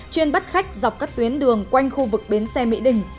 chuyên bắt khách dọc các tuyến đường quanh khu vực bến xe mỹ đình